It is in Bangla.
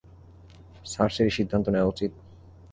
সার্সিরই সিদ্ধান্ত নেওয়া উচিৎ।